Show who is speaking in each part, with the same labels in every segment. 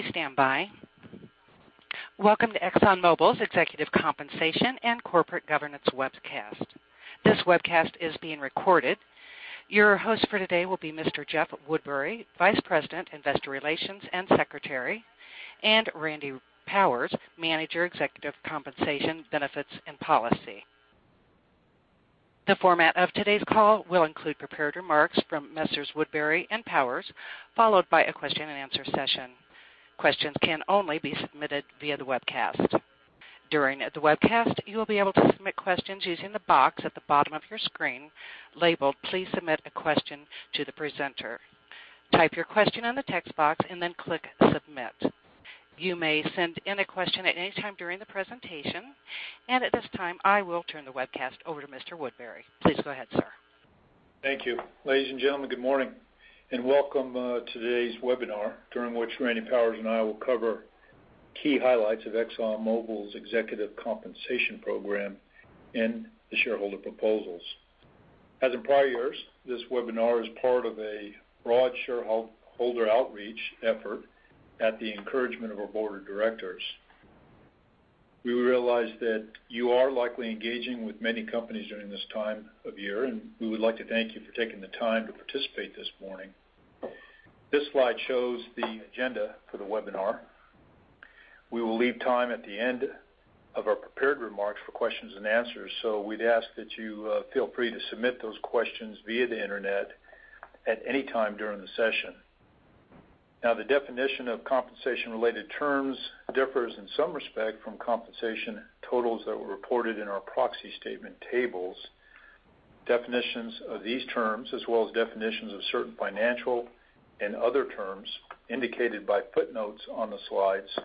Speaker 1: Please stand by. Welcome to Exxon Mobil's Executive Compensation and Corporate Governance webcast. This webcast is being recorded. Your host for today will be Mr. Jeff Woodbury, Vice President, Investor Relations and Secretary, and Randy Powers, Manager, Executive Compensation Benefits and Policy. The format of today's call will include prepared remarks from Messrs. Woodbury and Powers, followed by a question and answer session. Questions can only be submitted via the webcast. During the webcast, you will be able to submit questions using the box at the bottom of your screen labeled, Please submit a question to the presenter. Type your question in the text box and then click submit. You may send in a question at any time during the presentation, and at this time, I will turn the webcast over to Mr. Woodbury. Please go ahead, sir.
Speaker 2: Thank you. Ladies and gentlemen, good morning and welcome to today's webinar, during which Randy Powers and I will cover key highlights of Exxon Mobil's executive compensation program and the shareholder proposals. As in prior years, this webinar is part of a broad shareholder outreach effort at the encouragement of our board of directors. We realize that you are likely engaging with many companies during this time of year, and we would like to thank you for taking the time to participate this morning. This slide shows the agenda for the webinar. We will leave time at the end of our prepared remarks for questions and answers. We'd ask that you feel free to submit those questions via the internet at any time during the session. Now, the definition of compensation related terms differs in some respect from compensation totals that were reported in our proxy statement tables. Definitions of these terms, as well as definitions of certain financial and other terms indicated by footnotes on the slides,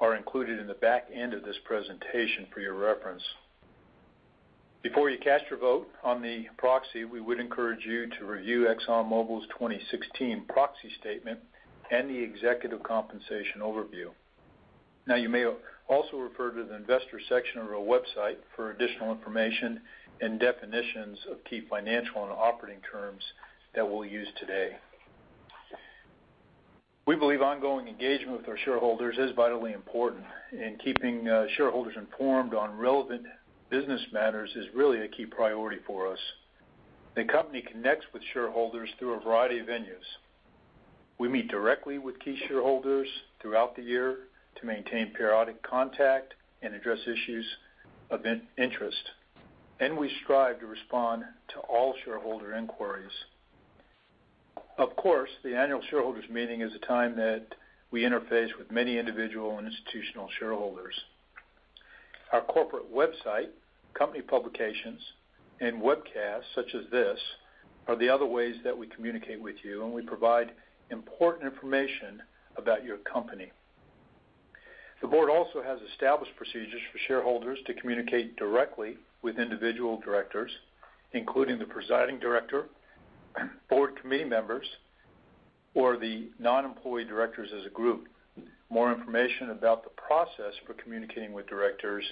Speaker 2: are included in the back end of this presentation for your reference. Before you cast your vote on the proxy, we would encourage you to review Exxon Mobil's 2016 proxy statement and the Executive Compensation Overview. Now, you may also refer to the investor section of our website for additional information and definitions of key financial and operating terms that we'll use today. We believe ongoing engagement with our shareholders is vitally important, and keeping shareholders informed on relevant business matters is really a key priority for us. The company connects with shareholders through a variety of venues. We meet directly with key shareholders throughout the year to maintain periodic contact and address issues of interest. We strive to respond to all shareholder inquiries. Of course, the annual shareholders meeting is a time that we interface with many individual and institutional shareholders. Our corporate website, company publications, and webcasts such as this are the other ways that we communicate with you, and we provide important information about your company. The board also has established procedures for shareholders to communicate directly with individual directors, including the Presiding Director, Board Committee members, or the non-employee directors as a group. More information about the process for communicating with directors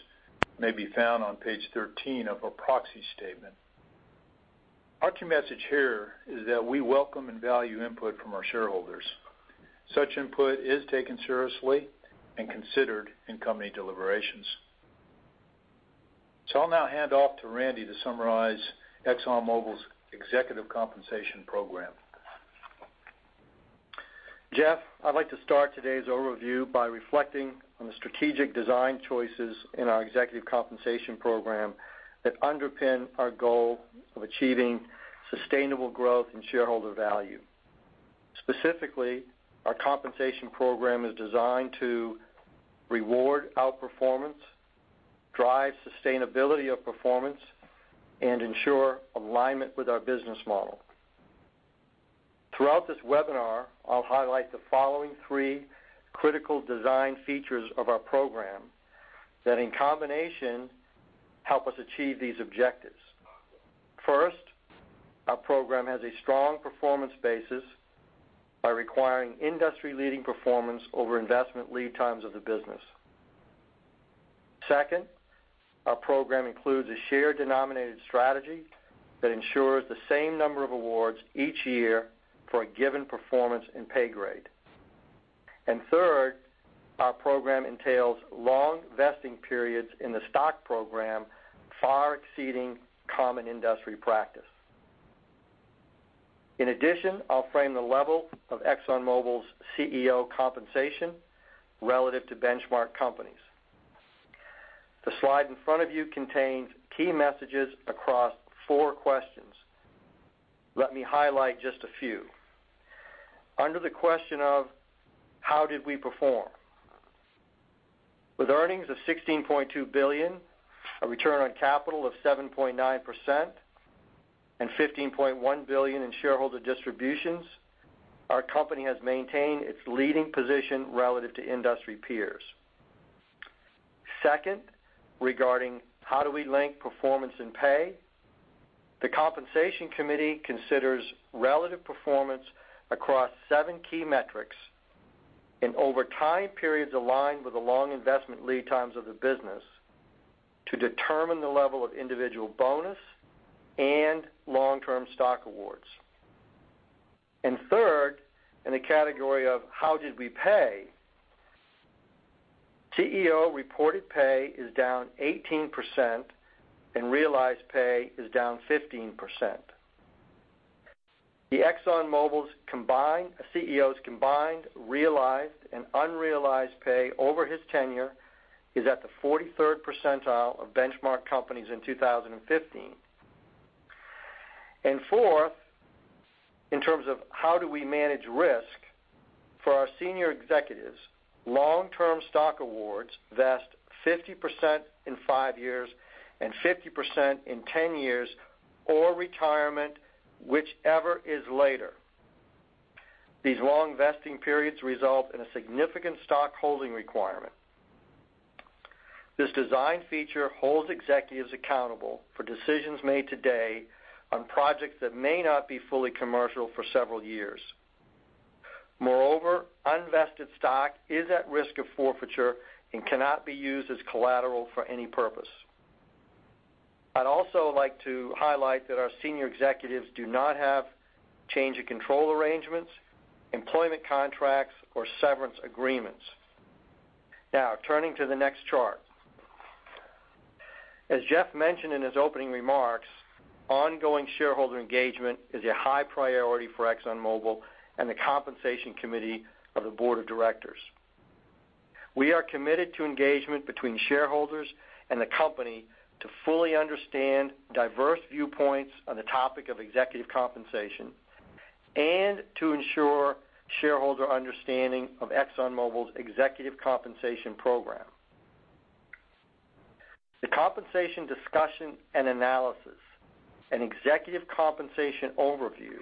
Speaker 2: may be found on page 13 of our proxy statement. Our key message here is that we welcome and value input from our shareholders. Such input is taken seriously and considered in company deliberations. I'll now hand off to Randy to summarize Exxon Mobil's executive compensation program.
Speaker 3: Jeff, I'd like to start today's overview by reflecting on the strategic design choices in our executive compensation program that underpin our goal of achieving sustainable growth and shareholder value. Specifically, our compensation program is designed to reward outperformance, drive sustainability of performance, and ensure alignment with our business model. Throughout this webinar, I'll highlight the following three critical design features of our program that, in combination, help us achieve these objectives. First, our program has a strong performance basis by requiring industry-leading performance over investment lead times of the business. Second, our program includes a share-denominated strategy that ensures the same number of awards each year for a given performance and pay grade. Third, our program entails long vesting periods in the stock program, far exceeding common industry practice. In addition, I'll frame the level of ExxonMobil's CEO compensation relative to benchmark companies. The slide in front of you contains key messages across four questions. Let me highlight just a few. Under the question of how did we perform? With earnings of $16.2 billion, a return on capital of 7.9%, and $15.1 billion in shareholder distributions, our company has maintained its leading position relative to industry peers. Second, regarding how do we link performance and pay? The compensation committee considers relative performance across seven key metrics and over time periods aligned with the long investment lead times of the business to determine the level of individual bonus and long-term stock awards. Third, in the category of how did we pay, CEO reported pay is down 18% and realized pay is down 15%. The ExxonMobil's CEO's combined realized and unrealized pay over his tenure is at the 43rd percentile of benchmark companies in 2015. Fourth, in terms of how do we manage risk for our senior executives, long-term stock awards vest 50% in five years and 50% in 10 years or retirement, whichever is later. These long vesting periods result in a significant stock holding requirement. This design feature holds executives accountable for decisions made today on projects that may not be fully commercial for several years. Moreover, unvested stock is at risk of forfeiture and cannot be used as collateral for any purpose. I'd also like to highlight that our senior executives do not have change in control arrangements, employment contracts, or severance agreements. Now, turning to the next chart. As Jeff mentioned in his opening remarks, ongoing shareholder engagement is a high priority for ExxonMobil and the Compensation Committee of the Board of Directors. We are committed to engagement between shareholders and the company to fully understand diverse viewpoints on the topic of executive compensation and to ensure shareholder understanding of ExxonMobil's executive compensation program. The compensation discussion and analysis and executive compensation overview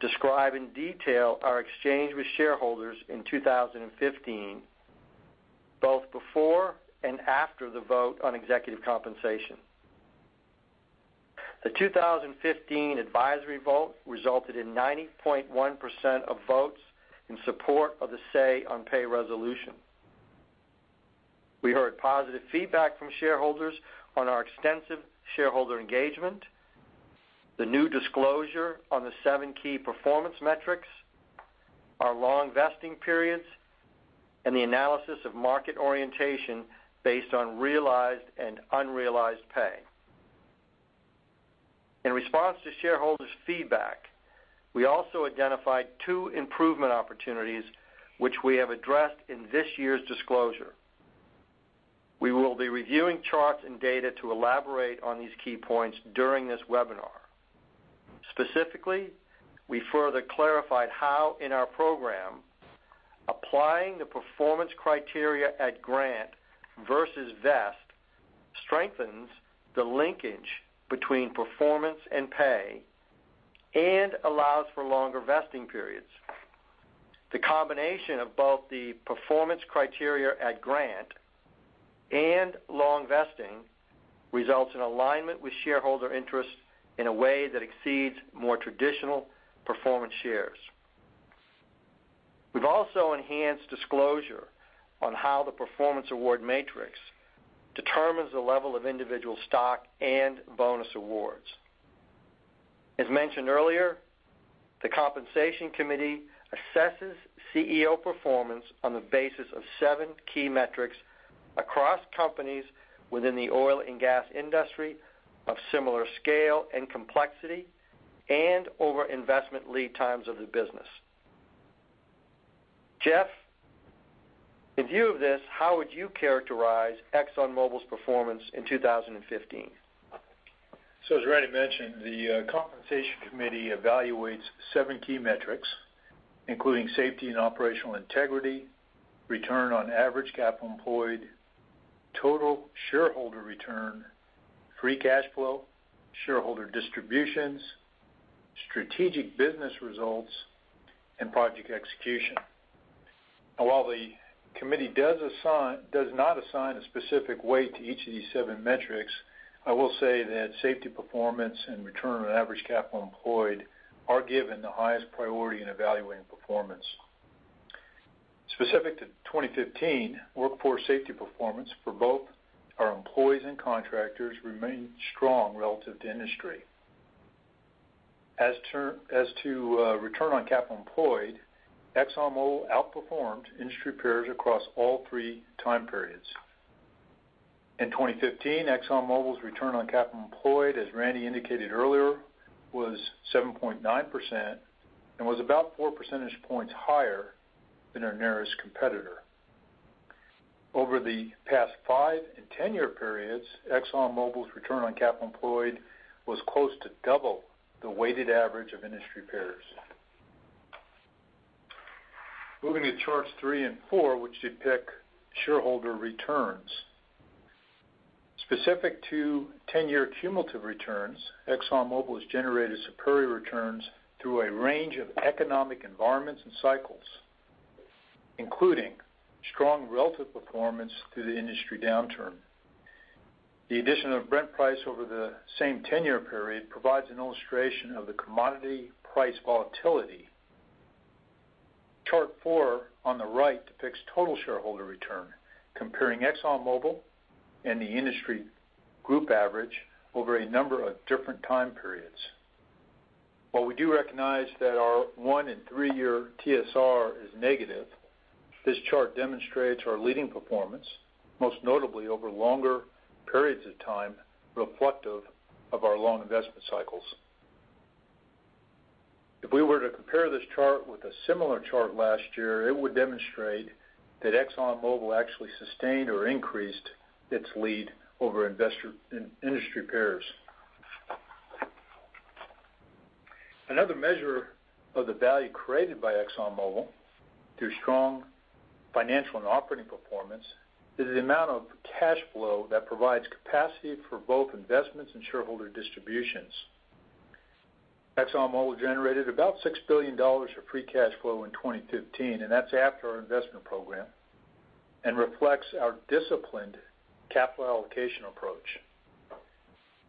Speaker 3: describe in detail our exchange with shareholders in 2015, both before and after the vote on executive compensation. The 2015 advisory vote resulted in 90.1% of votes in support of the Say-on-Pay resolution. We heard positive feedback from shareholders on our extensive shareholder engagement, the new disclosure on the seven key performance metrics, our long vesting periods, and the analysis of market orientation based on realized and unrealized pay. In response to shareholders' feedback, we also identified two improvement opportunities which we have addressed in this year's disclosure. We will be reviewing charts and data to elaborate on these key points during this webinar. Specifically, we further clarified how, in our program, applying the performance criteria at grant versus vest strengthens the linkage between performance and pay and allows for longer vesting periods. The combination of both the performance criteria at grant and long vesting results in alignment with shareholder interests in a way that exceeds more traditional performance shares. We've also enhanced disclosure on how the performance award matrix determines the level of individual stock and bonus awards. As mentioned earlier, the Compensation Committee assesses CEO performance on the basis of seven key metrics across companies within the oil and gas industry of similar scale and complexity and over investment lead times of the business. Jeff, in view of this, how would you characterize ExxonMobil's performance in 2015?
Speaker 2: As Randy mentioned, the Compensation Committee evaluates seven key metrics, including safety and operational integrity, return on average capital employed, total shareholder return, free cash flow, shareholder distributions, strategic business results, and project execution. While the committee does not assign a specific weight to each of these seven metrics, I will say that safety performance and return on average capital employed are given the highest priority in evaluating performance. Specific to 2015, workforce safety performance for both our employees and contractors remained strong relative to industry. As to return on capital employed, ExxonMobil outperformed industry peers across all three time periods. In 2015, ExxonMobil's return on capital employed, as Randy indicated earlier, was 7.9% and was about four percentage points higher than our nearest competitor. Over the past five and 10-year periods, ExxonMobil's return on capital employed was close to double the weighted average of industry peers. Moving to charts three and four, which depict shareholder returns. Specific to 10-year cumulative returns, ExxonMobil has generated superior returns through a range of economic environments and cycles, including strong relative performance through the industry downturn. The addition of Brent price over the same 10-year period provides an illustration of the commodity price volatility. Chart four on the right depicts total shareholder return, comparing ExxonMobil and the industry group average over a number of different time periods. While we do recognize that our one and three-year TSR is negative, this chart demonstrates our leading performance, most notably over longer periods of time, reflective of our long investment cycles. If we were to compare this chart with a similar chart last year, it would demonstrate that ExxonMobil actually sustained or increased its lead over industry peers. Another measure of the value created by ExxonMobil through strong financial and operating performance is the amount of cash flow that provides capacity for both investments and shareholder distributions. ExxonMobil generated about $6 billion of free cash flow in 2015, and that's after our investment program and reflects our disciplined capital allocation approach.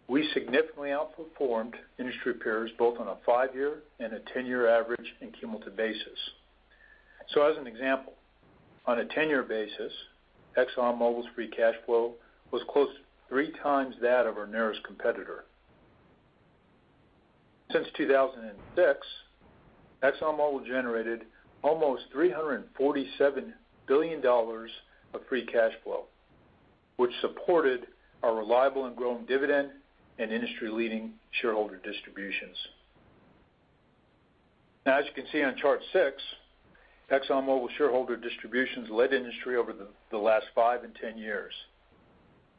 Speaker 2: We significantly outperformed industry peers both on a five-year and a 10-year average and cumulative basis. As an example, on a 10-year basis, ExxonMobil's free cash flow was close to three times that of our nearest competitor. Since 2006, ExxonMobil generated almost $347 billion of free cash flow, which supported our reliable and growing dividend and industry-leading shareholder distributions. As you can see on chart six, ExxonMobil shareholder distributions led industry over the last five and 10 years.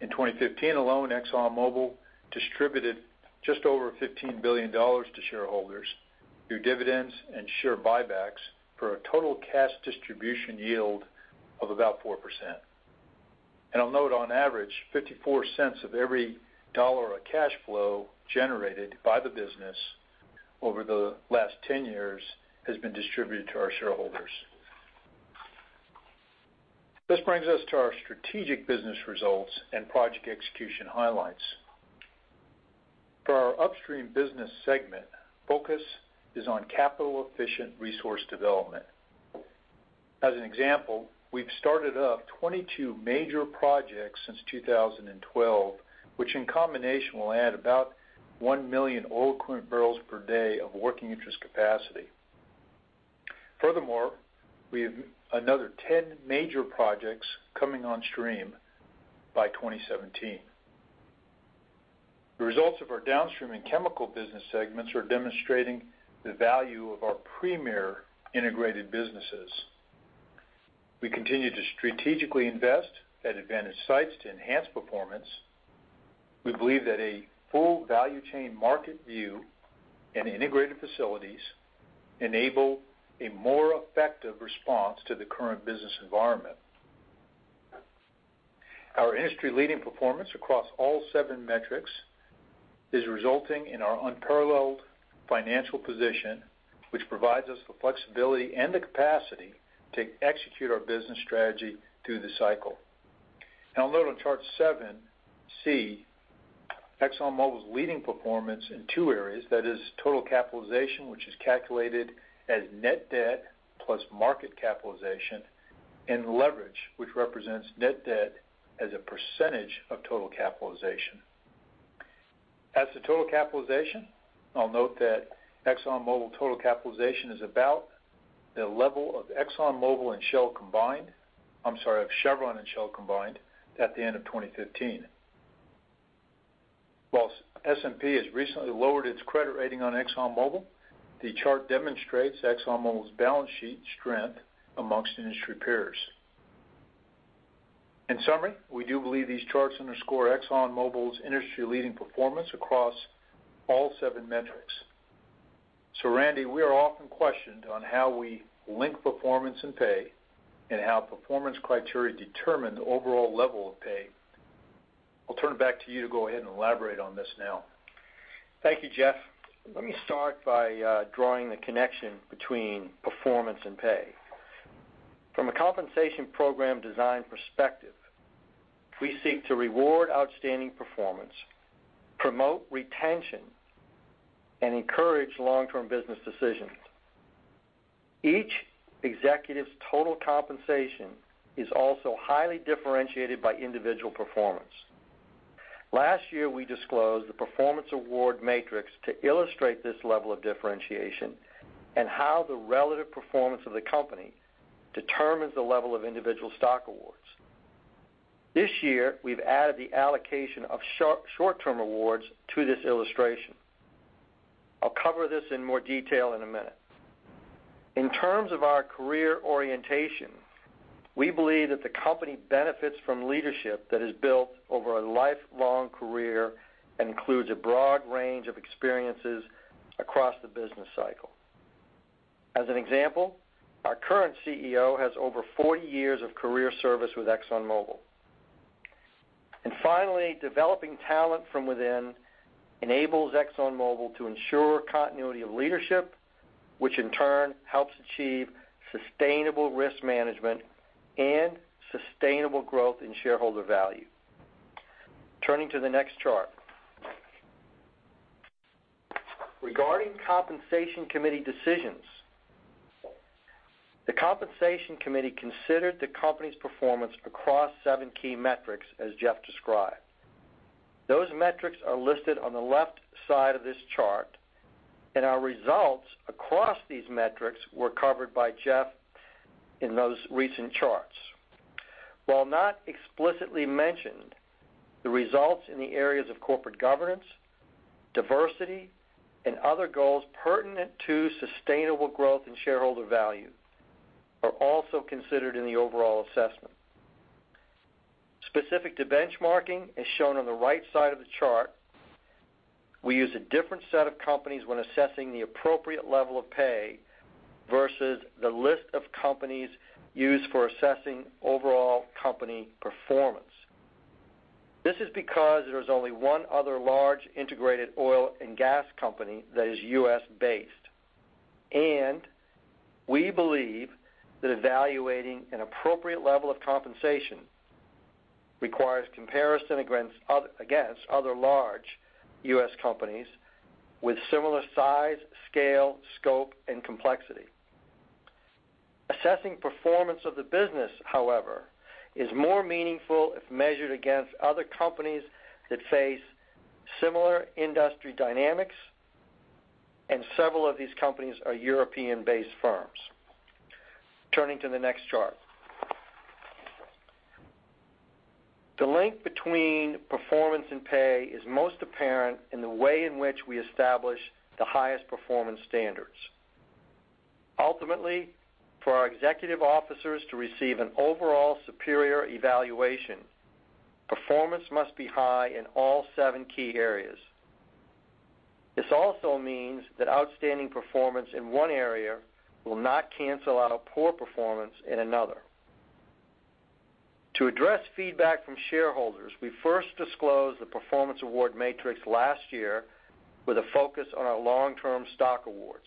Speaker 2: In 2015 alone, ExxonMobil distributed just over $15 billion to shareholders through dividends and share buybacks for a total cash distribution yield of about 4%. I'll note, on average, $0.54 of every dollar of cash flow generated by the business over the last 10 years has been distributed to our shareholders. This brings us to our strategic business results and project execution highlights. For our upstream business segment, focus is on capital-efficient resource development. As an example, we've started up 22 major projects since 2012, which in combination will add about 1 million oil equivalent barrels per day of working interest capacity. Furthermore, we have another 10 major projects coming on stream by 2017. The results of our downstream and chemical business segments are demonstrating the value of our premier integrated businesses. We continue to strategically invest at advantage sites to enhance performance. We believe that a full value chain market view and integrated facilities enable a more effective response to the current business environment. Our industry-leading performance across all seven metrics is resulting in our unparalleled financial position, which provides us the flexibility and the capacity to execute our business strategy through the cycle. I'll note on chart 7C, ExxonMobil's leading performance in two areas. That is total capitalization, which is calculated as net debt plus market capitalization, and leverage, which represents net debt as a percentage of total capitalization. As to total capitalization, I'll note that ExxonMobil total capitalization is about the level of Chevron and Shell combined at the end of 2015. Whilst S&P has recently lowered its credit rating on ExxonMobil, the chart demonstrates ExxonMobil's balance sheet strength amongst industry peers. In summary, we do believe these charts underscore ExxonMobil's industry-leading performance across all seven metrics. Randy, we are often questioned on how we link performance and pay and how performance criteria determine the overall level of pay. I'll turn it back to you to go ahead and elaborate on this now.
Speaker 3: Thank you, Jeff. Let me start by drawing the connection between performance and pay. From a compensation program design perspective, we seek to reward outstanding performance, promote retention, and encourage long-term business decisions. Each executive's total compensation is also highly differentiated by individual performance. Last year, we disclosed the performance award matrix to illustrate this level of differentiation and how the relative performance of the company determines the level of individual stock awards. This year, we've added the allocation of short-term awards to this illustration. I'll cover this in more detail in a minute. In terms of our career orientation, we believe that the company benefits from leadership that is built over a lifelong career and includes a broad range of experiences across the business cycle. As an example, our current CEO has over 40 years of career service with ExxonMobil. Finally, developing talent from within enables ExxonMobil to ensure continuity of leadership, which in turn helps achieve sustainable risk management and sustainable growth in shareholder value. Turning to the next chart regarding compensation committee decisions, the compensation committee considered the company's performance across seven key metrics, as Jeff described. Those metrics are listed on the left side of this chart, and our results across these metrics were covered by Jeff in those recent charts. While not explicitly mentioned, the results in the areas of corporate governance, diversity, and other goals pertinent to sustainable growth and shareholder value are also considered in the overall assessment. Specific to benchmarking, as shown on the right side of the chart, we use a different set of companies when assessing the appropriate level of pay versus the list of companies used for assessing overall company performance. This is because there is only one other large integrated oil and gas company that is U.S.-based, and we believe that evaluating an appropriate level of compensation requires comparison against other large U.S. companies with similar size, scale, scope, and complexity. Assessing performance of the business, however, is more meaningful if measured against other companies that face similar industry dynamics, and several of these companies are European-based firms. Turning to the next chart. The link between performance and pay is most apparent in the way in which we establish the highest performance standards. Ultimately, for our executive officers to receive an overall superior evaluation, performance must be high in all seven key areas. This also means that outstanding performance in one area will not cancel out a poor performance in another. To address feedback from shareholders, we first disclosed the performance award matrix last year with a focus on our long-term stock awards.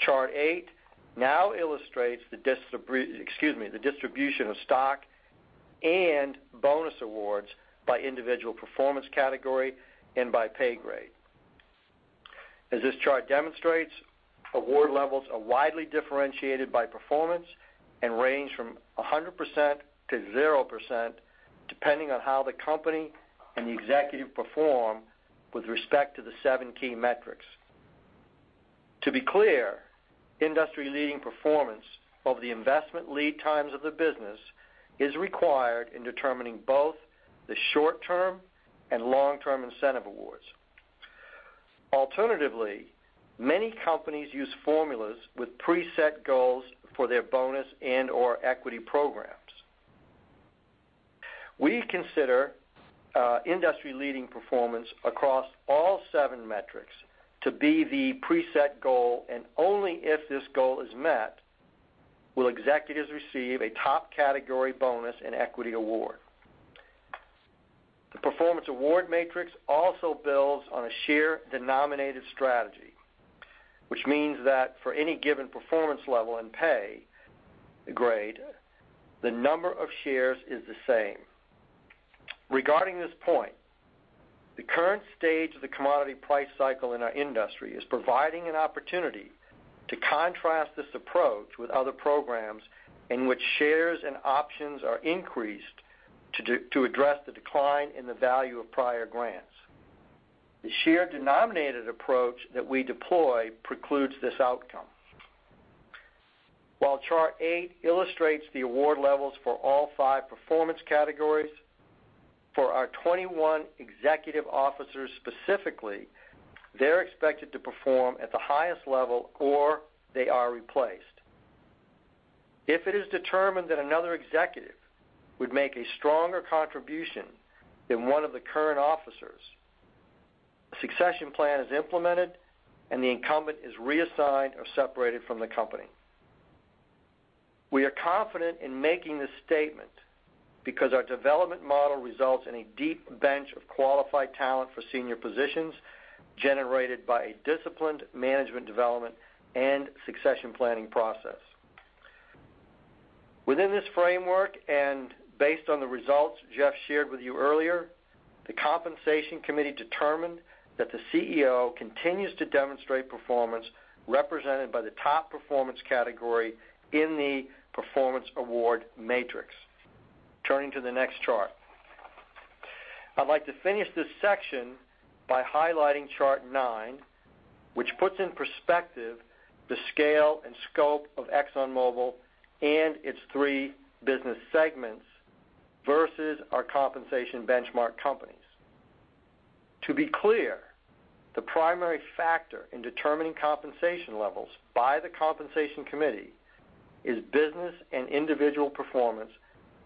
Speaker 3: Chart eight now illustrates the distribution of stock and bonus awards by individual performance category and by pay grade. As this chart demonstrates, award levels are widely differentiated by performance and range from 100%-0%, depending on how the company and the executive perform with respect to the seven key metrics. To be clear, industry-leading performance over the investment lead times of the business is required in determining both the short-term and long-term incentive awards. Alternatively, many companies use formulas with preset goals for their bonus and/or equity programs. We consider industry-leading performance across all seven metrics to be the preset goal, and only if this goal is met will executives receive a top category bonus and equity award. The performance award matrix also builds on a share-denominated strategy, which means that for any given performance level and pay grade, the number of shares is the same. Regarding this point, the current stage of the commodity price cycle in our industry is providing an opportunity to contrast this approach with other programs in which shares and options are increased to address the decline in the value of prior grants. The share-denominated approach that we deploy precludes this outcome. While chart eight illustrates the award levels for all five performance categories, for our 21 executive officers specifically, they're expected to perform at the highest level or they are replaced. If it is determined that another executive would make a stronger contribution than one of the current officers, a succession plan is implemented and the incumbent is reassigned or separated from the company. We are confident in making this statement because our development model results in a deep bench of qualified talent for senior positions generated by a disciplined management development and succession planning process. Within this framework and based on the results Jeff shared with you earlier, the compensation committee determined that the CEO continues to demonstrate performance represented by the top performance category in the performance award matrix. Turning to the next chart. I'd like to finish this section by highlighting chart nine, which puts in perspective the scale and scope of ExxonMobil and its three business segments versus our compensation benchmark companies. To be clear, the primary factor in determining compensation levels by the compensation committee is business and individual performance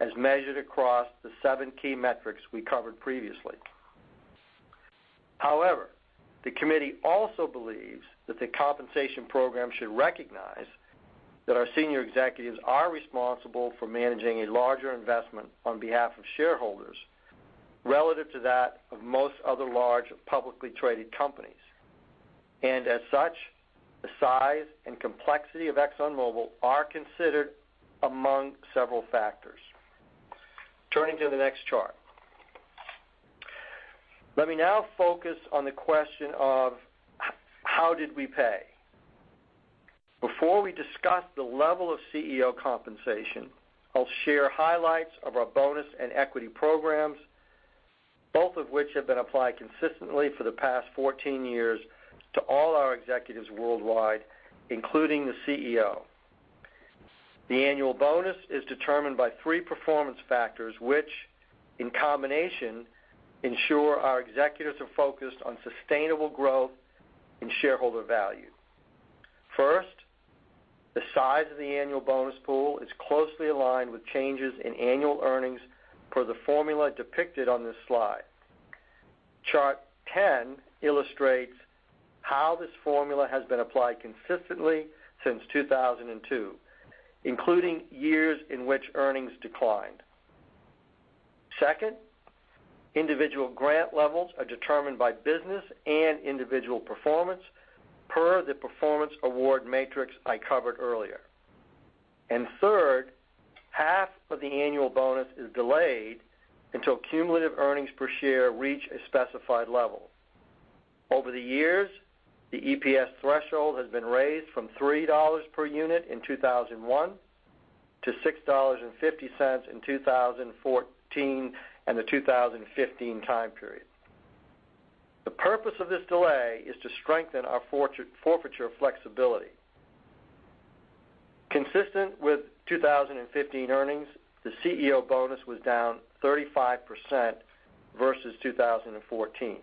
Speaker 3: as measured across the seven key metrics we covered previously. The committee also believes that the compensation program should recognize that our senior executives are responsible for managing a larger investment on behalf of shareholders relative to that of most other large publicly traded companies. As such, the size and complexity of ExxonMobil are considered among several factors. Turning to the next chart. Let me now focus on the question of how did we pay? Before we discuss the level of CEO compensation, I'll share highlights of our bonus and equity programs, both of which have been applied consistently for the past 14 years to all our executives worldwide, including the CEO. The annual bonus is determined by three performance factors, which in combination ensure our executives are focused on sustainable growth and shareholder value. First, the size of the annual bonus pool is closely aligned with changes in annual earnings per the formula depicted on this slide. Chart 10 illustrates how this formula has been applied consistently since 2002, including years in which earnings declined. Second, individual grant levels are determined by business and individual performance per the performance award matrix I covered earlier. Third, half of the annual bonus is delayed until cumulative EPS reach a specified level. Over the years, the EPS threshold has been raised from $3 per unit in 2001 to $6.50 in 2014 and the 2015 time period. The purpose of this delay is to strengthen our forfeiture flexibility. Consistent with 2015 earnings, the CEO bonus was down 35% versus 2014.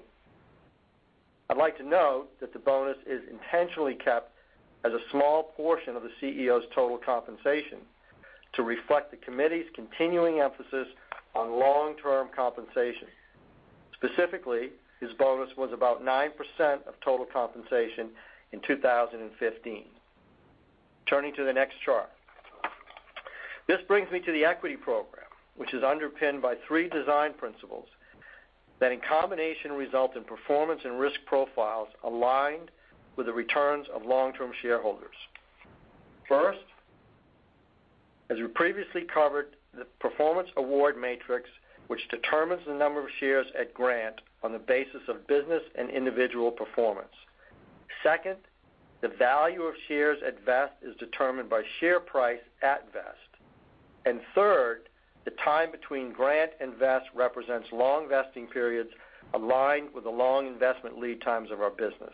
Speaker 3: I'd like to note that the bonus is intentionally kept as a small portion of the CEO's total compensation to reflect the committee's continuing emphasis on long-term compensation. Specifically, his bonus was about 9% of total compensation in 2015. Turning to the next chart. This brings me to the equity program, which is underpinned by three design principles that in combination result in performance and risk profiles aligned with the returns of long-term shareholders. First, as we previously covered, the performance award matrix, which determines the number of shares at grant on the basis of business and individual performance. Second, the value of shares at vest is determined by share price at vest. Third, the time between grant and vest represents long vesting periods aligned with the long investment lead times of our business.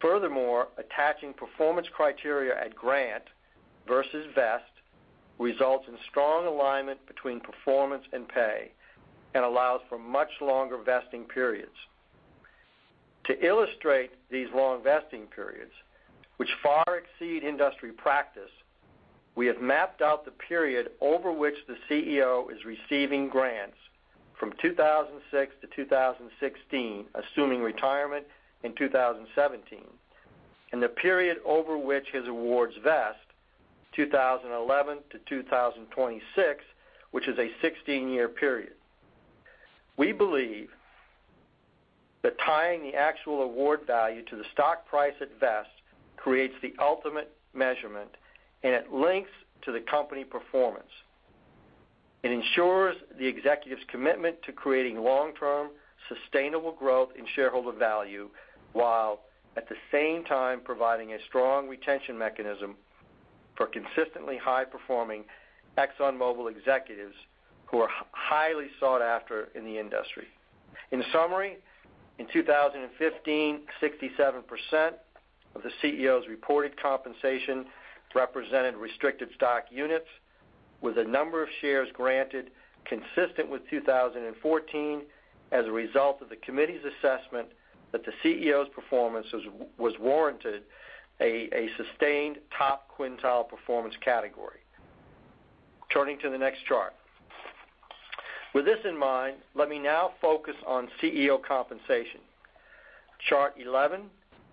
Speaker 3: Furthermore, attaching performance criteria at grant versus vest results in strong alignment between performance and pay and allows for much longer vesting periods. To illustrate these long vesting periods, which far exceed industry practice, we have mapped out the period over which the CEO is receiving grants from 2006 to 2016, assuming retirement in 2017, and the period over which his awards vest, 2011 to 2026, which is a 16-year period. We believe that tying the actual award value to the stock price at vest creates the ultimate measurement, and it links to the company performance. It ensures the executive's commitment to creating long-term sustainable growth in shareholder value, while at the same time providing a strong retention mechanism for consistently high-performing ExxonMobil executives who are highly sought after in the industry. In summary, in 2015, 67% of the CEO's reported compensation represented restricted stock units with a number of shares granted consistent with 2014 as a result of the committee's assessment that the CEO's performance was warranted a sustained top quintile performance category. Turning to the next chart. With this in mind, let me now focus on CEO compensation. Chart 11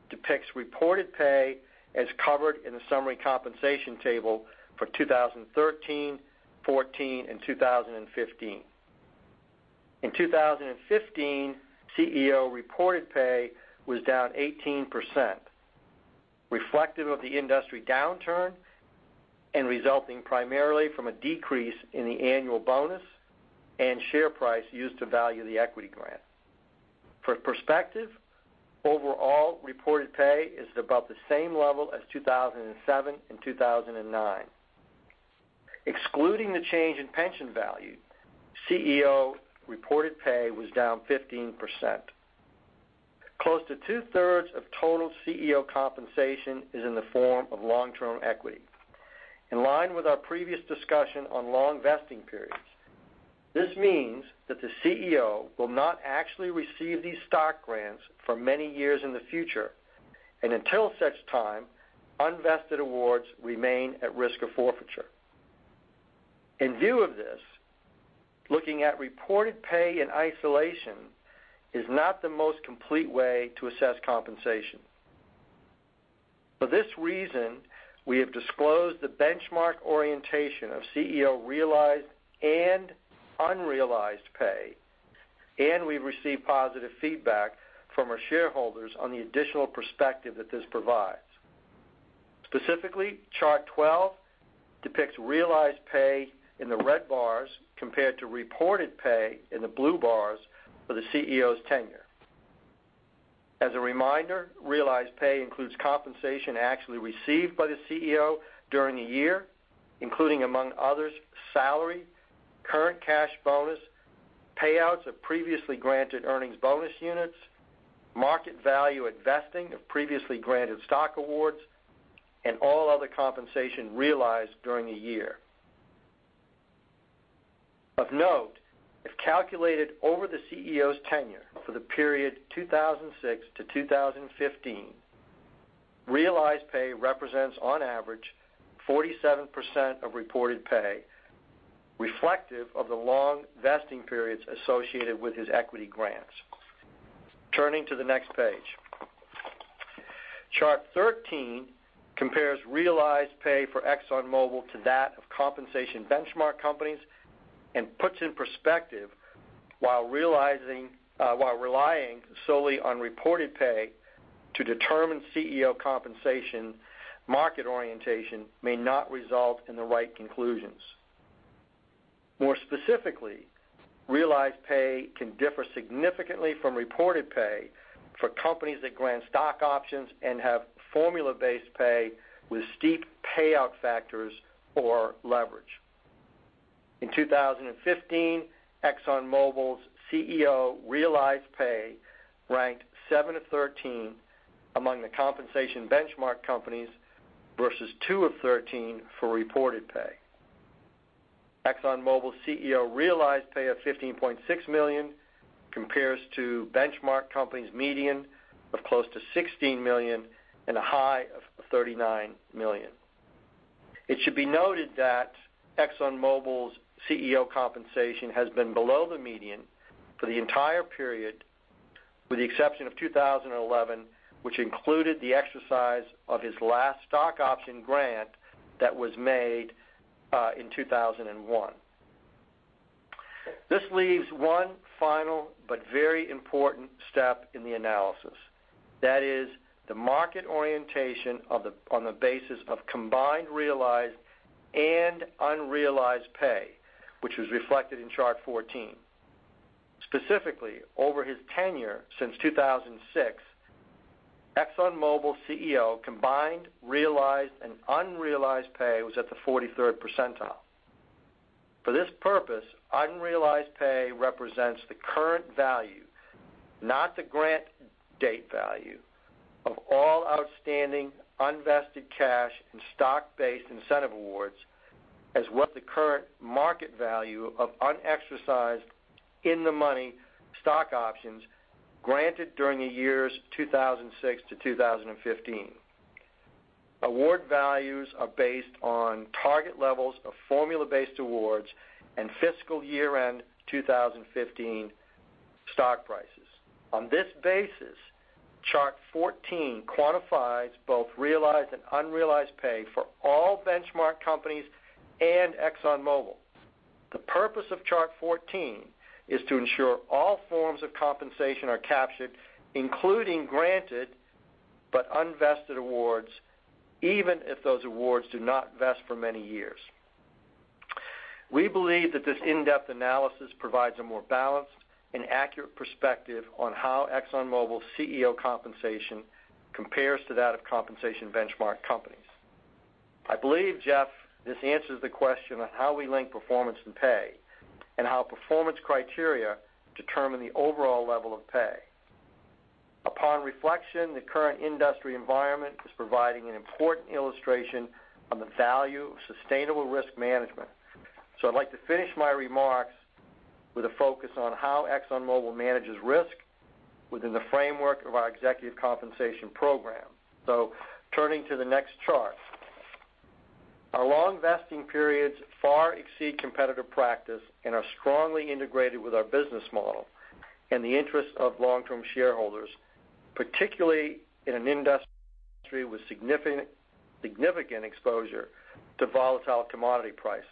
Speaker 3: depicts reported pay as covered in the summary compensation table for 2013, 2014, and 2015. In 2015, CEO reported pay was down 18%, reflective of the industry downturn and resulting primarily from a decrease in the annual bonus and share price used to value the equity grant. For perspective, overall reported pay is about the same level as 2007 and 2009. Excluding the change in pension value, CEO reported pay was down 15%. Close to two-thirds of total CEO compensation is in the form of long-term equity. In line with our previous discussion on long vesting periods, this means that the CEO will not actually receive these stock grants for many years in the future, and until such time, unvested awards remain at risk of forfeiture. In view of this, looking at reported pay in isolation is not the most complete way to assess compensation. For this reason, we have disclosed the benchmark orientation of CEO realized and unrealized pay, and we've received positive feedback from our shareholders on the additional perspective that this provides. Specifically, Chart 12 depicts realized pay in the red bars compared to reported pay in the blue bars for the CEO's tenure. As a reminder, realized pay includes compensation actually received by the CEO during the year, including, among others, salary, current cash bonus, payouts of previously granted Earnings Bonus Units, market value at vesting of previously granted stock awards, and all other compensation realized during the year. Of note, if calculated over the CEO's tenure for the period 2006 to 2015, realized pay represents, on average, 47% of reported pay, reflective of the long vesting periods associated with his equity grants. Turning to the next page. Chart 13 compares realized pay for ExxonMobil to that of compensation benchmark companies and puts in perspective while relying solely on reported pay to determine CEO compensation, market orientation may not result in the right conclusions. More specifically, realized pay can differ significantly from reported pay for companies that grant stock options and have formula-based pay with steep payout factors or leverage. In 2015, ExxonMobil's CEO realized pay ranked seven of 13 among the compensation benchmark companies, versus two of 13 for reported pay. ExxonMobil's CEO realized pay of $15.6 million compares to benchmark companies' median of close to $16 million and a high of $39 million. It should be noted that ExxonMobil's CEO compensation has been below the median for the entire period, with the exception of 2011, which included the exercise of his last stock option grant that was made in 2001. This leaves one final but very important step in the analysis. That is the market orientation on the basis of combined realized and unrealized pay, which was reflected in chart 14. Specifically, over his tenure since 2006, ExxonMobil's CEO combined realized and unrealized pay was at the 43rd percentile. For this purpose, unrealized pay represents the current value, not the grant date value, of all outstanding unvested cash and stock-based incentive awards as what the current market value of unexercised in-the-money stock options granted during the years 2006 to 2015. Award values are based on target levels of formula-based awards and fiscal year-end 2015 stock prices. On this basis, chart 14 quantifies both realized and unrealized pay for all benchmark companies and ExxonMobil. The purpose of chart 14 is to ensure all forms of compensation are captured, including granted but unvested awards, even if those awards do not vest for many years. We believe that this in-depth analysis provides a more balanced and accurate perspective on how ExxonMobil's CEO compensation compares to that of compensation benchmark companies. I believe, Jeff, this answers the question on how we link performance and pay and how performance criteria determine the overall level of pay. Upon reflection, the current industry environment is providing an important illustration on the value of sustainable risk management. I'd like to finish my remarks with a focus on how ExxonMobil manages risk within the framework of our executive compensation program. Turning to the next chart. Our long vesting periods far exceed competitive practice and are strongly integrated with our business model in the interest of long-term shareholders, particularly in an industry with significant exposure to volatile commodity prices.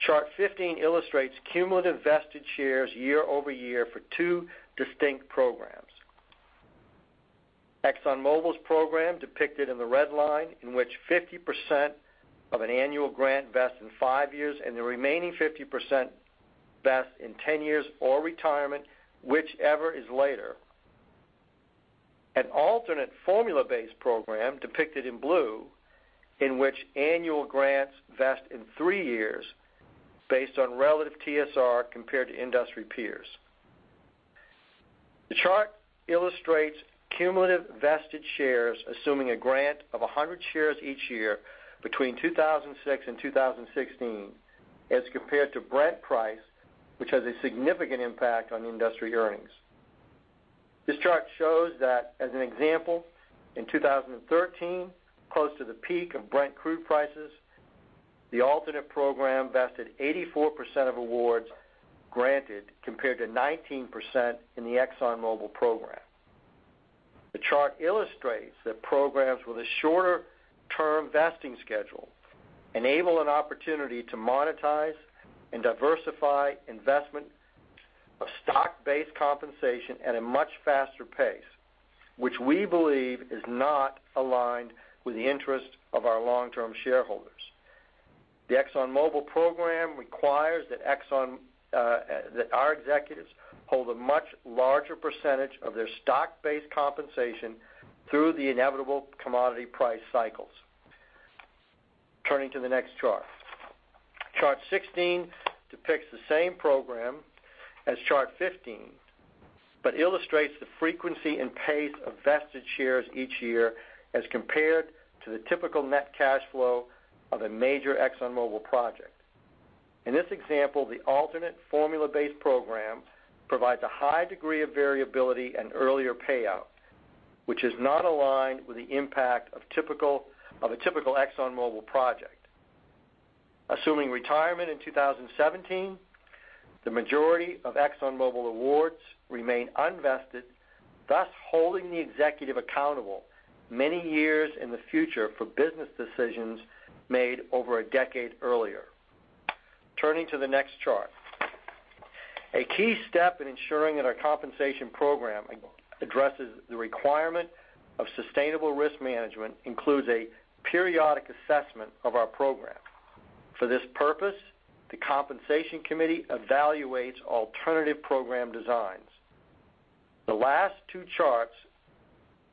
Speaker 3: Chart 15 illustrates cumulative vested shares year-over-year for two distinct programs. ExxonMobil's program, depicted in the red line, in which 50% of an annual grant vests in five years and the remaining 50% vests in 10 years or retirement, whichever is later. An alternate formula-based program, depicted in blue, in which annual grants vest in three years based on relative TSR compared to industry peers. The chart illustrates cumulative vested shares, assuming a grant of 100 shares each year between 2006 and 2016, as compared to Brent price, which has a significant impact on industry earnings. This chart shows that as an example, in 2013, close to the peak of Brent crude prices, the alternate program vested 84% of awards granted compared to 19% in the ExxonMobil program. The chart illustrates that programs with a shorter-term vesting schedule enable an opportunity to monetize and diversify investment of stock-based compensation at a much faster pace, which we believe is not aligned with the interest of our long-term shareholders. The ExxonMobil program requires that our executives hold a much larger percentage of their stock-based compensation through the inevitable commodity price cycles. Turning to the next chart. Chart 16 depicts the same program as chart 15, but illustrates the frequency and pace of vested shares each year as compared to the typical net cash flow of a major ExxonMobil project. In this example, the alternate formula-based program provides a high degree of variability and earlier payout, which is not aligned with the impact of a typical ExxonMobil project. Assuming retirement in 2017, the majority of ExxonMobil awards remain unvested, thus holding the executive accountable many years in the future for business decisions made over a decade earlier. Turning to the next chart. A key step in ensuring that our compensation program addresses the requirement of sustainable risk management includes a periodic assessment of our program. For this purpose, the Compensation Committee evaluates alternative program designs. The last two charts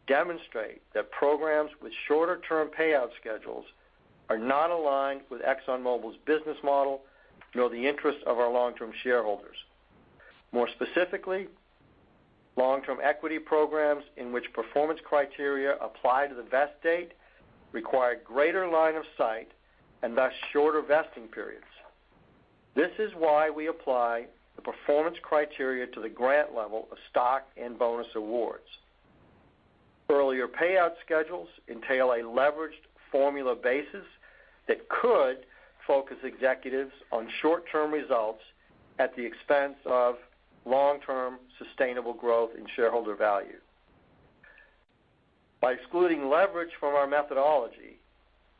Speaker 3: demonstrate that programs with shorter-term payout schedules are not aligned with ExxonMobil's business model nor the interest of our long-term shareholders. More specifically, long-term equity programs in which performance criteria apply to the vest date require greater line of sight and thus shorter vesting periods. This is why we apply the performance criteria to the grant level of stock and bonus awards. Earlier payout schedules entail a leveraged formula basis that could focus executives on short-term results at the expense of long-term sustainable growth in shareholder value. By excluding leverage from our methodology,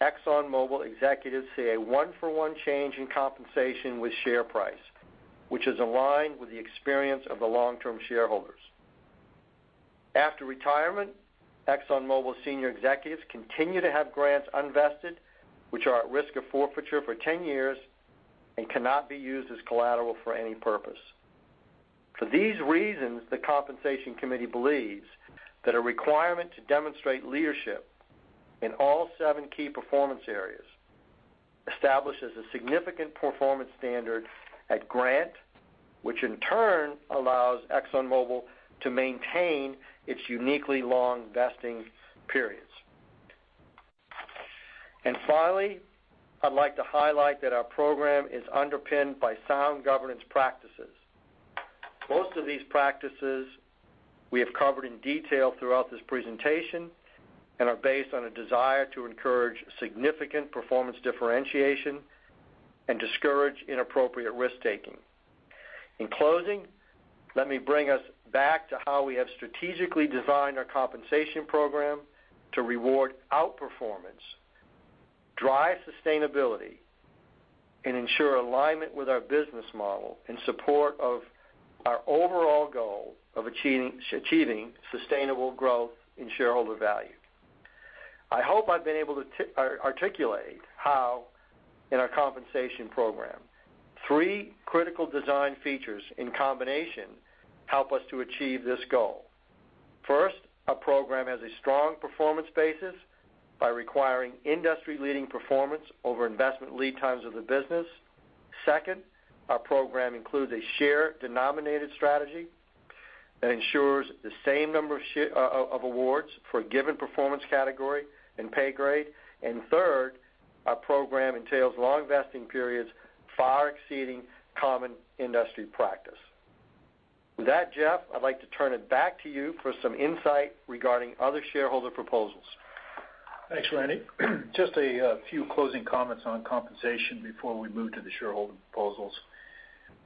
Speaker 3: ExxonMobil executives see a one-for-one change in compensation with share price, which is aligned with the experience of the long-term shareholders. After retirement, ExxonMobil senior executives continue to have grants unvested, which are at risk of forfeiture for 10 years and cannot be used as collateral for any purpose. For these reasons, the Compensation Committee believes that a requirement to demonstrate leadership in all seven key performance areas establishes a significant performance standard at grant, which in turn allows ExxonMobil to maintain its uniquely long vesting periods. Finally, I'd like to highlight that our program is underpinned by sound governance practices. Most of these practices we have covered in detail throughout this presentation and are based on a desire to encourage significant performance differentiation and discourage inappropriate risk-taking. In closing, let me bring us back to how we have strategically designed our compensation program to reward outperformance, drive sustainability, and ensure alignment with our business model in support of our overall goal of achieving sustainable growth in shareholder value. I hope I've been able to articulate how in our compensation program three critical design features in combination help us to achieve this goal. First, our program has a strong performance basis by requiring industry-leading performance over investment lead times of the business. Second, our program includes a share-denominated strategy that ensures the same number of awards for a given performance category and pay grade. Third, our program entails long vesting periods far exceeding common industry practice. With that, Jeff, I'd like to turn it back to you for some insight regarding other shareholder proposals.
Speaker 2: Thanks, Randy. A few closing comments on compensation before we move to the shareholder proposals.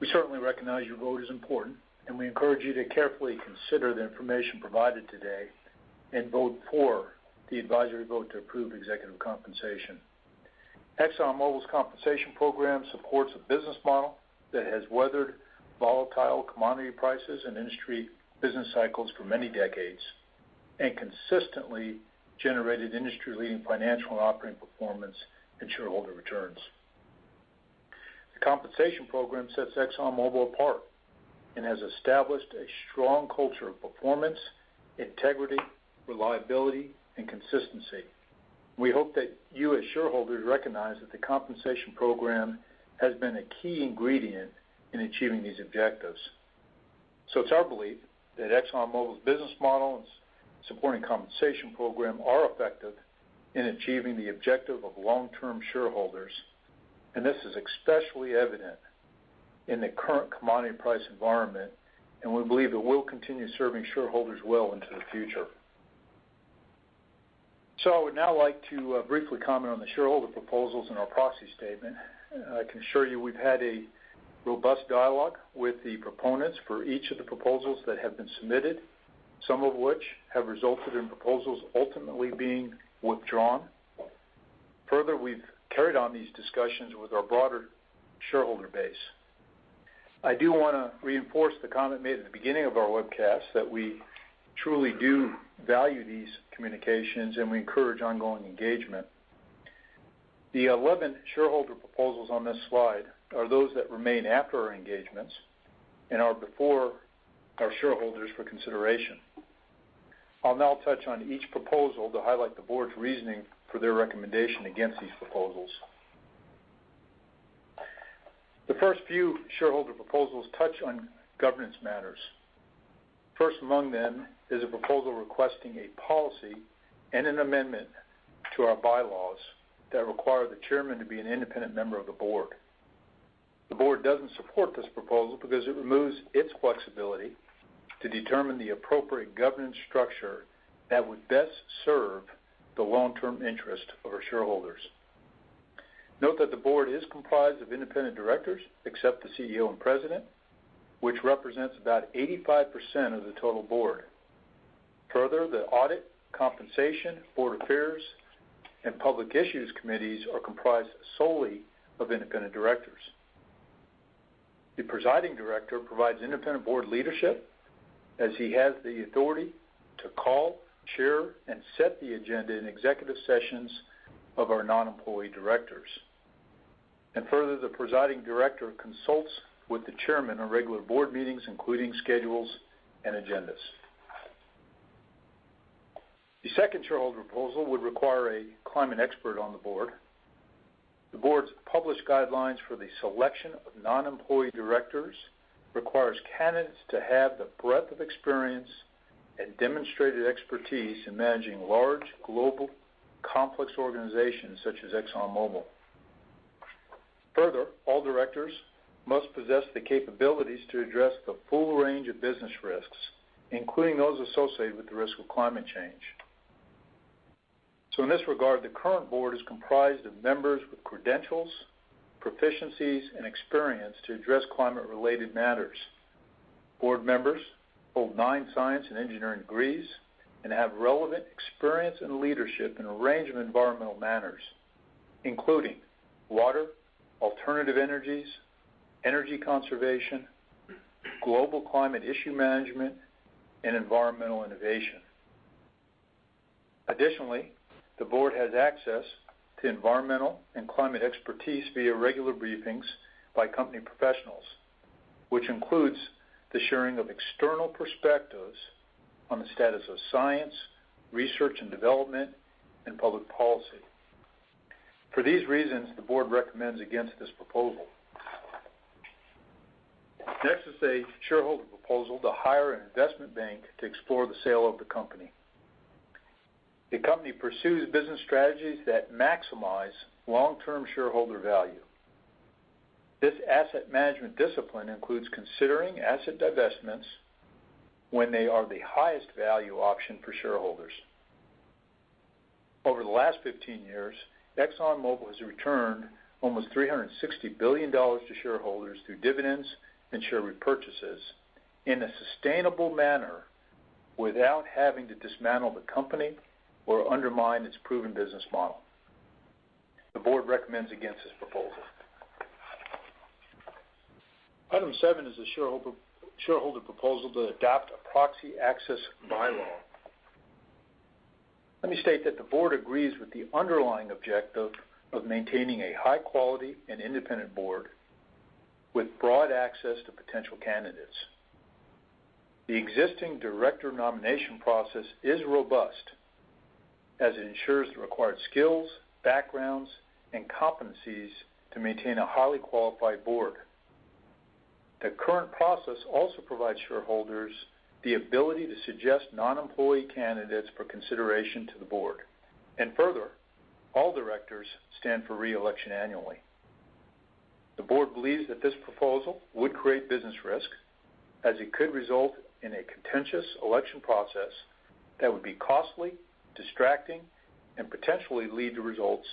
Speaker 2: We certainly recognize your vote is important, and we encourage you to carefully consider the information provided today and vote for the advisory vote to approve executive compensation. ExxonMobil's compensation program supports a business model that has weathered volatile commodity prices and industry business cycles for many decades and consistently generated industry-leading financial and operating performance and shareholder returns. The compensation program sets ExxonMobil apart and has established a strong culture of performance, integrity, reliability, and consistency. We hope that you as shareholders recognize that the compensation program has been a key ingredient in achieving these objectives. It's our belief that ExxonMobil's business model and supporting compensation program are effective in achieving the objective of long-term shareholders. This is especially evident in the current commodity price environment, and we believe it will continue serving shareholders well into the future. I would now like to briefly comment on the shareholder proposals in our proxy statement. I can assure you we've had a robust dialogue with the proponents for each of the proposals that have been submitted, some of which have resulted in proposals ultimately being withdrawn. Further, we've carried on these discussions with our broader shareholder base. I do want to reinforce the comment made at the beginning of our webcast that we truly do value these communications and we encourage ongoing engagement. The 11 shareholder proposals on this slide are those that remain after our engagements and are before our shareholders for consideration. I'll now touch on each proposal to highlight the Board's reasoning for their recommendation against these proposals. The first few shareholder proposals touch on governance matters. First among them is a proposal requesting a policy and an amendment to our bylaws that require the Chairman to be an independent member of the Board. The Board doesn't support this proposal because it removes its flexibility to determine the appropriate governance structure that would best serve the long-term interest of our shareholders. Note that the Board is comprised of independent directors, except the CEO and President, which represents about 85% of the total Board. Further, the Audit, Compensation, Board Affairs, and Public Issues Committees are comprised solely of independent directors. The Presiding Director provides independent Board leadership as he has the authority to call, chair, and set the agenda in executive sessions of our non-employee directors. Further, the Presiding Director consults with the Chairman on regular Board meetings, including schedules and agendas. The second shareholder proposal would require a climate expert on the Board. The Board's published guidelines for the selection of non-employee directors requires candidates to have the breadth of experience and demonstrated expertise in managing large, global, complex organizations such as ExxonMobil. Further, all directors must possess the capabilities to address the full range of business risks, including those associated with the risk of climate change. In this regard, the current Board is comprised of members with credentials, proficiencies, and experience to address climate-related matters. Board members hold nine science and engineering degrees and have relevant experience and leadership in a range of environmental matters, including water, alternative energies, energy conservation, global climate issue management, and environmental innovation. Additionally, the board has access to environmental and climate expertise via regular briefings by company professionals, which includes the sharing of external perspectives on the status of science, research and development, and public policy. For these reasons, the board recommends against this proposal. Next is a shareholder proposal to hire an investment bank to explore the sale of the company. The company pursues business strategies that maximize long-term shareholder value. This asset management discipline includes considering asset divestments when they are the highest value option for shareholders. Over the last 15 years, ExxonMobil has returned almost $360 billion to shareholders through dividends and share repurchases in a sustainable manner without having to dismantle the company or undermine its proven business model. The board recommends against this proposal. Item seven is a shareholder proposal to adopt a proxy access bylaw. Let me state that the board agrees with the underlying objective of maintaining a high-quality and independent board with broad access to potential candidates. The existing director nomination process is robust as it ensures the required skills, backgrounds, and competencies to maintain a highly qualified board. The current process also provides shareholders the ability to suggest non-employee candidates for consideration to the board, and further, all directors stand for re-election annually. The board believes that this proposal would create business risk, as it could result in a contentious election process that would be costly, distracting, and potentially lead to results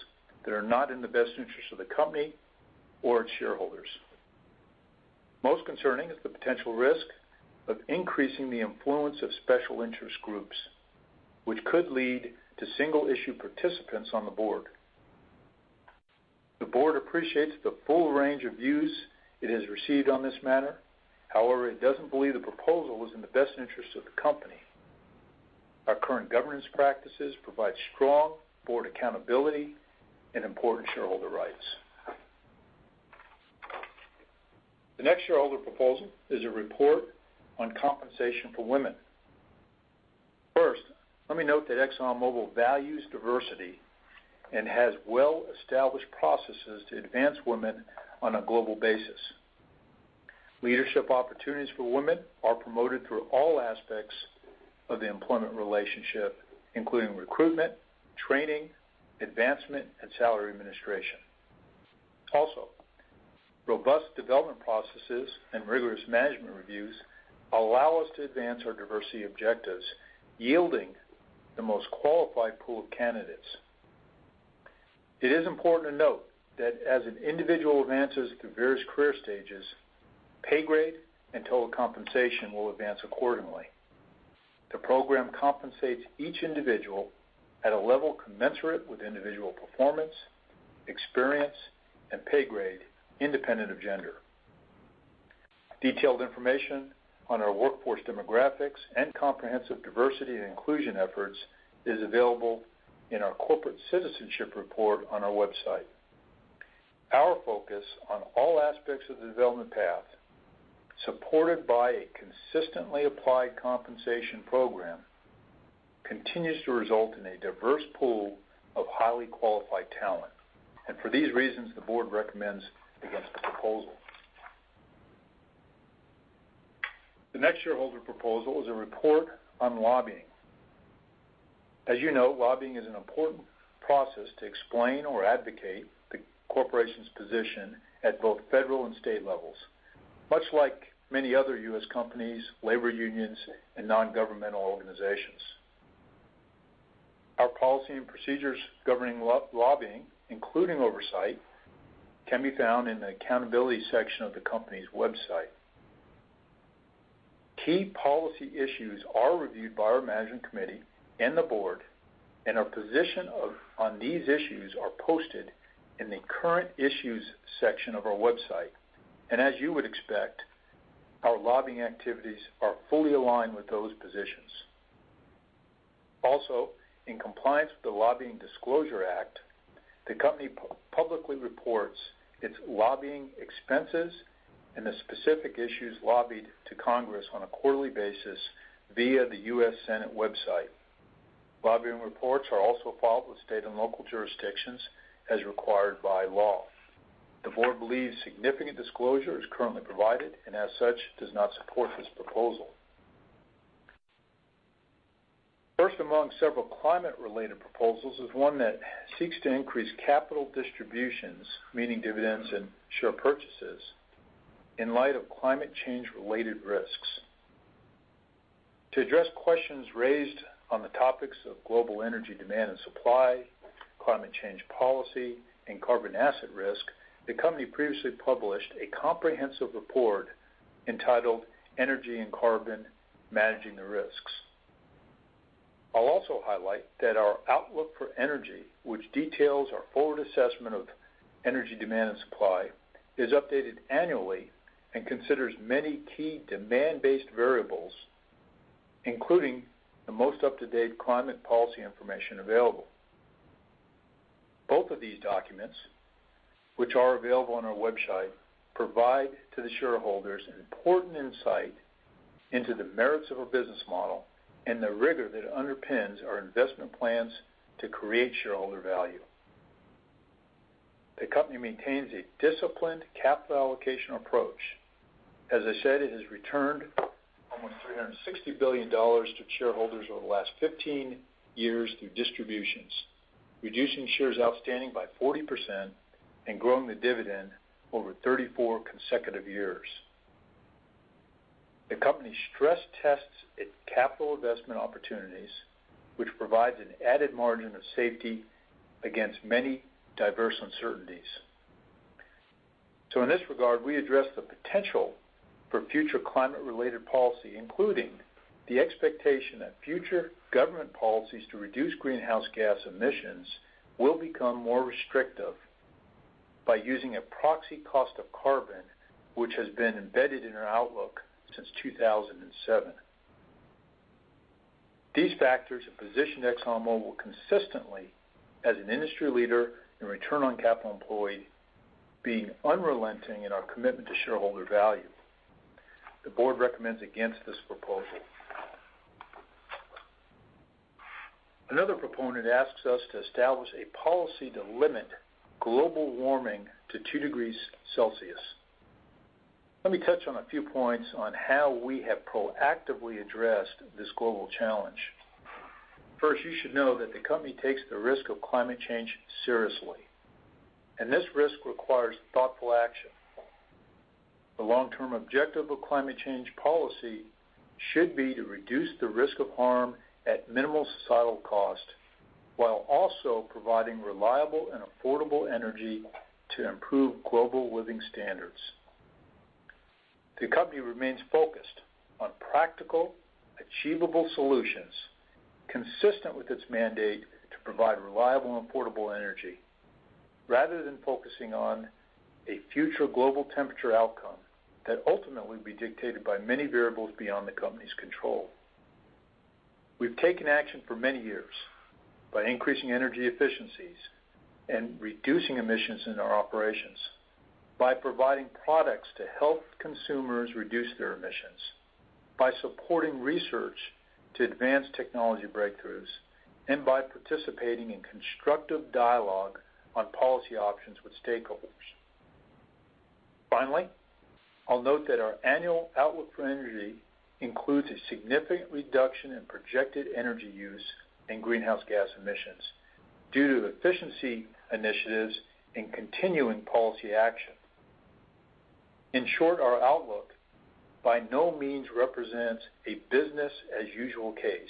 Speaker 2: that are not in the best interest of the company or its shareholders. Most concerning is the potential risk of increasing the influence of special interest groups, which could lead to single-issue participants on the board. The board appreciates the full range of views it has received on this matter. However, it doesn't believe the proposal is in the best interest of the company. Our current governance practices provide strong board accountability and important shareholder rights. The next shareholder proposal is a report on compensation for women. First, let me note that ExxonMobil values diversity and has well-established processes to advance women on a global basis. Leadership opportunities for women are promoted through all aspects of the employment relationship, including recruitment, training, advancement, and salary administration. Also, robust development processes and rigorous management reviews allow us to advance our diversity objectives, yielding the most qualified pool of candidates. It is important to note that as an individual advances through various career stages, pay grade and total compensation will advance accordingly. The program compensates each individual at a level commensurate with individual performance, experience, and pay grade, independent of gender. Detailed information on our workforce demographics and comprehensive diversity and inclusion efforts is available in our corporate citizenship report on our website. Our focus on all aspects of the development path, supported by a consistently applied compensation program, continues to result in a diverse pool of highly qualified talent. For these reasons, the board recommends against the proposal. The next shareholder proposal is a report on lobbying. As you know, lobbying is an important process to explain or advocate the corporation's position at both federal and state levels, much like many other U.S. companies, labor unions, and non-governmental organizations. Our policy and procedures governing lobbying, including oversight, can be found in the accountability section of the company's website. Key policy issues are reviewed by our management committee and the board, and our position on these issues are posted in the Current Issues section of our website. As you would expect, our lobbying activities are fully aligned with those positions. Also, in compliance with the Lobbying Disclosure Act, the company publicly reports its lobbying expenses and the specific issues lobbied to Congress on a quarterly basis via the U.S. Senate website. Lobbying reports are also filed with state and local jurisdictions as required by law. The board believes significant disclosure is currently provided, and as such, does not support this proposal. First among several climate-related proposals is one that seeks to increase capital distributions, meaning dividends and share purchases, in light of climate change-related risks. To address questions raised on the topics of global energy demand and supply, climate change policy, and carbon asset risk, the company previously published a comprehensive report entitled Energy and Carbon: Managing the Risks. I'll also highlight that our Outlook for Energy, which details our forward assessment of energy demand and supply, is updated annually and considers many key demand-based variables, including the most up-to-date climate policy information available. Both of these documents, which are available on our website, provide to the shareholders an important insight into the merits of our business model and the rigor that underpins our investment plans to create shareholder value. The company maintains a disciplined capital allocation approach. As I said, it has returned almost $360 billion to shareholders over the last 15 years through distributions, reducing shares outstanding by 40% and growing the dividend over 34 consecutive years. The company stress tests its capital investment opportunities, which provides an added margin of safety against many diverse uncertainties. In this regard, we address the potential for future climate-related policy, including the expectation that future government policies to reduce greenhouse gas emissions will become more restrictive by using a proxy cost of carbon, which has been embedded in our outlook since 2007. These factors have positioned Exxon Mobil consistently as an industry leader in return on capital employed, being unrelenting in our commitment to shareholder value. The board recommends against this proposal. Another proponent asks us to establish a policy to limit global warming to two degrees Celsius. Let me touch on a few points on how we have proactively addressed this global challenge. First, you should know that the company takes the risk of climate change seriously, and this risk requires thoughtful action. The long-term objective of climate change policy should be to reduce the risk of harm at minimal societal cost, while also providing reliable and affordable energy to improve global living standards. The company remains focused on practical, achievable solutions consistent with its mandate to provide reliable and affordable energy rather than focusing on a future global temperature outcome that ultimately will be dictated by many variables beyond the company's control. We've taken action for many years by increasing energy efficiencies and reducing emissions in our operations, by providing products to help consumers reduce their emissions, by supporting research to advance technology breakthroughs, and by participating in constructive dialogue on policy options with stakeholders. Finally, I'll note that our annual Outlook for Energy includes a significant reduction in projected energy use and greenhouse gas emissions due to efficiency initiatives and continuing policy action. In short, our outlook by no means represents a business as usual case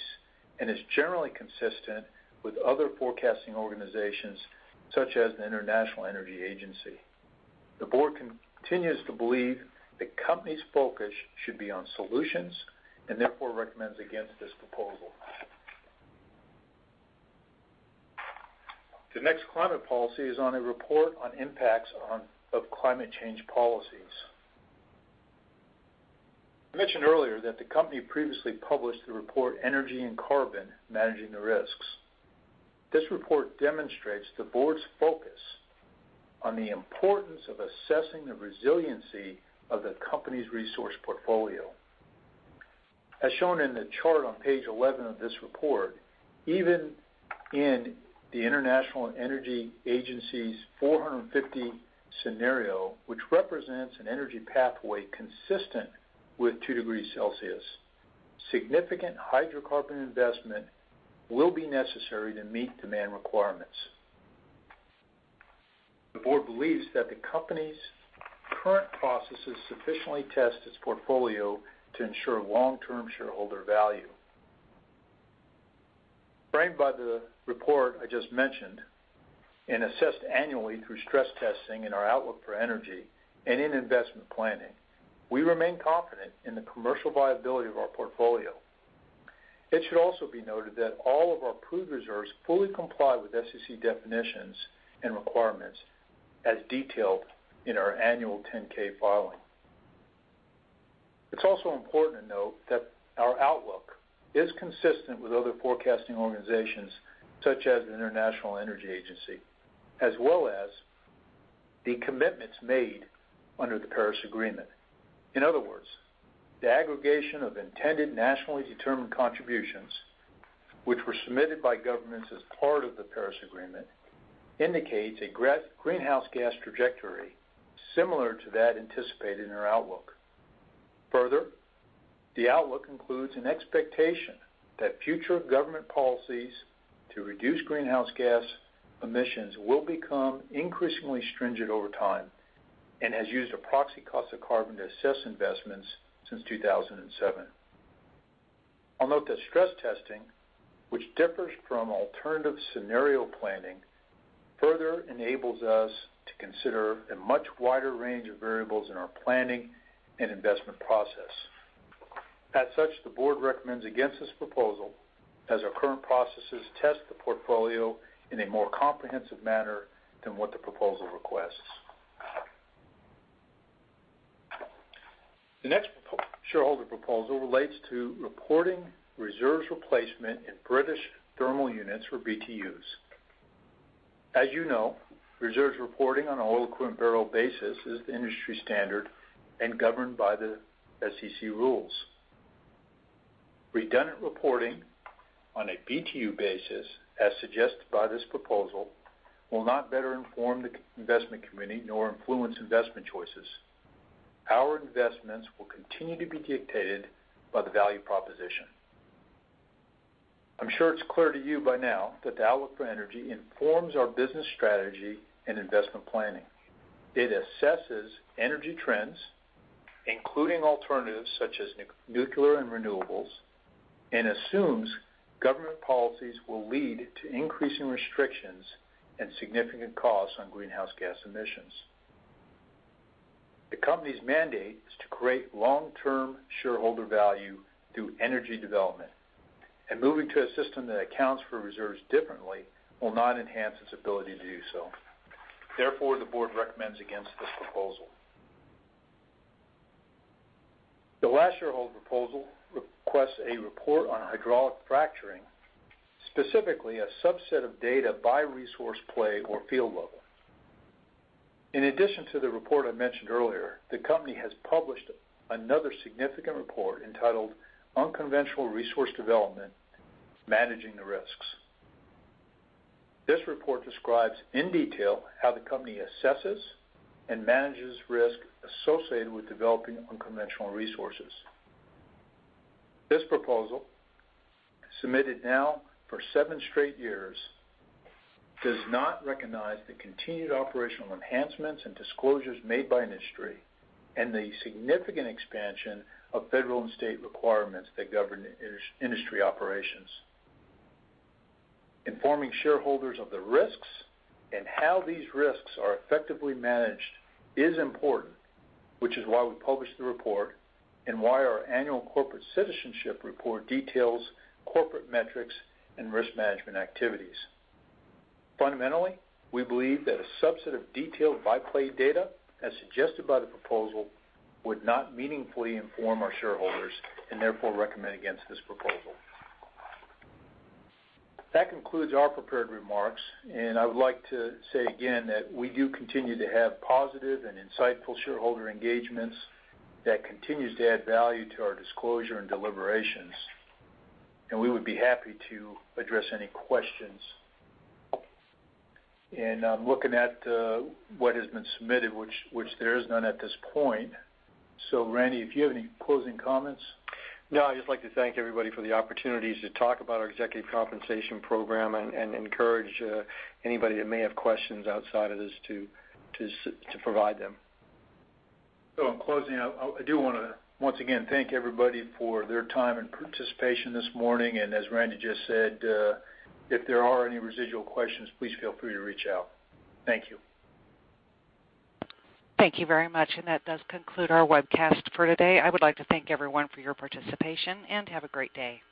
Speaker 2: and is generally consistent with other forecasting organizations such as the International Energy Agency. The board continues to believe the company's focus should be on solutions, and therefore recommends against this proposal. The next climate policy is on a report on impacts of climate change policies. I mentioned earlier that the company previously published the report, "Energy and Carbon: Managing the Risks." This report demonstrates the board's focus on the importance of assessing the resiliency of the company's resource portfolio. As shown in the chart on page 11 of this report, even in the International Energy Agency's 450 Scenario, which represents an energy pathway consistent with two degrees Celsius, significant hydrocarbon investment will be necessary to meet demand requirements. The board believes that the company's current processes sufficiently test its portfolio to ensure long-term shareholder value. Framed by the report I just mentioned, and assessed annually through stress testing in our Outlook for Energy and in investment planning, we remain confident in the commercial viability of our portfolio. It should also be noted that all of our proved reserves fully comply with SEC definitions and requirements as detailed in our annual 10-K filing. It's also important to note that our outlook is consistent with other forecasting organizations such as the International Energy Agency, as well as the commitments made under the Paris Agreement. In other words, the aggregation of Intended Nationally Determined Contributions, which were submitted by governments as part of the Paris Agreement, indicates a greenhouse gas trajectory similar to that anticipated in our outlook. The outlook includes an expectation that future government policies to reduce greenhouse gas emissions will become increasingly stringent over time and has used a proxy cost of carbon to assess investments since 2007. I'll note that stress testing, which differs from alternative scenario planning, further enables us to consider a much wider range of variables in our planning and investment process. The board recommends against this proposal as our current processes test the portfolio in a more comprehensive manner than what the proposal requests. The next shareholder proposal relates to reporting reserves replacement in British Thermal Units or BTUs. As you know, reserves reporting on an oil equivalent barrel basis is the industry standard and governed by the SEC rules. Redundant reporting on a BTU basis, as suggested by this proposal, will not better inform the investment committee nor influence investment choices. Our investments will continue to be dictated by the value proposition. I'm sure it's clear to you by now that the Outlook for Energy informs our business strategy and investment planning. It assesses energy trends, including alternatives such as nuclear and renewables, and assumes government policies will lead to increasing restrictions and significant costs on greenhouse gas emissions. The company's mandate is to create long-term shareholder value through energy development, and moving to a system that accounts for reserves differently will not enhance its ability to do so. The board recommends against this proposal. The last shareholder proposal requests a report on hydraulic fracturing, specifically a subset of data by resource play or field level. In addition to the report I mentioned earlier, the company has published another significant report entitled "Unconventional Resource Development: Managing the Risks." This report describes in detail how the company assesses and manages risk associated with developing unconventional resources. This proposal, submitted now for seven straight years, does not recognize the continued operational enhancements and disclosures made by industry and the significant expansion of federal and state requirements that govern industry operations. Informing shareholders of the risks and how these risks are effectively managed is important, which is why we published the report and why our annual corporate citizenship report details corporate metrics and risk management activities. Fundamentally, we believe that a subset of detailed by-play data, as suggested by the proposal, would not meaningfully inform our shareholders and therefore recommend against this proposal. That concludes our prepared remarks. I would like to say again that we do continue to have positive and insightful shareholder engagements that continues to add value to our disclosure and deliberations, and we would be happy to address any questions. I'm looking at what has been submitted, which there is none at this point. Randy, if you have any closing comments?
Speaker 3: No, I'd just like to thank everybody for the opportunities to talk about our executive compensation program and encourage anybody that may have questions outside of this to provide them.
Speaker 2: In closing, I do want to once again thank everybody for their time and participation this morning, and as Randy just said, if there are any residual questions, please feel free to reach out. Thank you.
Speaker 1: Thank you very much. That does conclude our webcast for today. I would like to thank everyone for your participation. Have a great day.